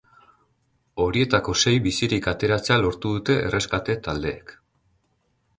Horietako sei bizirik ateratzea lortu dute erreskate taldeek.